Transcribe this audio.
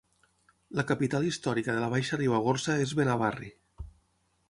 La capital històrica de la Baixa Ribagorça és Benavarri.